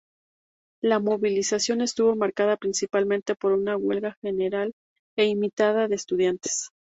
La movilización estuvo marcada principalmente por una huelga general e ilimitada de estudiantes.